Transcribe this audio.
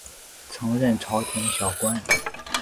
曾任朝廷小官。